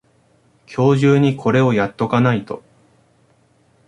今日中にこれをやっとかないと